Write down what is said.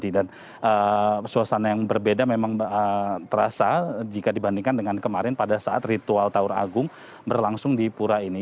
dan suasana yang berbeda memang terasa jika dibandingkan dengan kemarin pada saat ritual taur agung berlangsung di pura ini